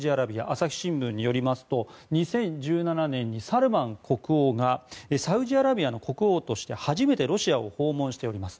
朝日新聞によりますと２０１７年にサルマン国王がサウジアラビアの国王として初めてロシアを訪問しております。